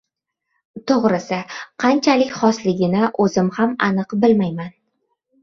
To‘g‘risi, qanchalik xosligini o‘zim ham aniq bilmayman.